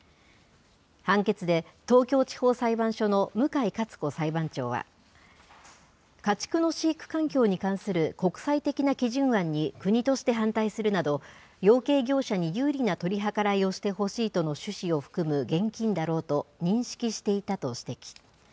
判決で、東京地方裁判所の向井香津子裁判長は、家畜の飼育環境に関する国際的な基準案に国として反対するなど、養鶏業者に有利な取り計らいをしてほしいとの趣旨を含む現金だろうと認識していたと指摘。